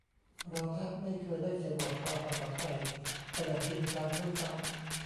เราแทบไม่เคยได้เขียนบทความภาษาไทยกันอย่างจริงจังด้วยซ้ำ